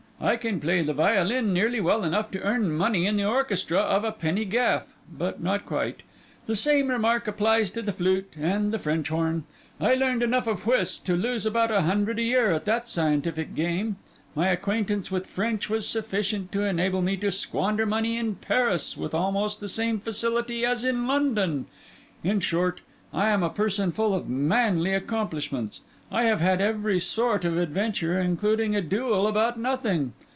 I can play the violin nearly well enough to earn money in the orchestra of a penny gaff, but not quite. The same remark applies to the flute and the French horn. I learned enough of whist to lose about a hundred a year at that scientific game. My acquaintance with French was sufficient to enable me to squander money in Paris with almost the same facility as in London. In short, I am a person full of manly accomplishments. I have had every sort of adventure, including a duel about nothing.